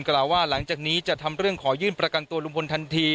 กล่าวว่าหลังจากนี้จะทำเรื่องขอยื่นประกันตัวลุงพลทันที